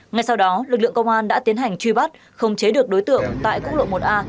ngay sau đó lực lượng công an đã tiến hành truy bắt không chế được đối tượng tại quốc lộ một a